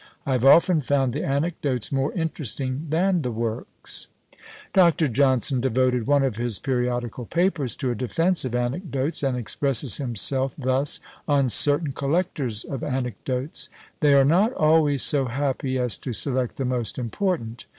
I have often found the anecdotes more interesting than the works. Dr. Johnson devoted one of his periodical papers to a defence of anecdotes, and expresses himself thus on certain collectors of anecdotes: "They are not always so happy as to select the most important.